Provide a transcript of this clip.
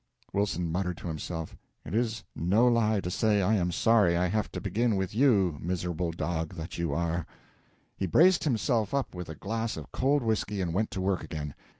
Wilson muttered to himself, "It is no lie to say I am sorry I have to begin with you, miserable dog though you are!" He braced himself up with a glass of cold whisky, and went to work again.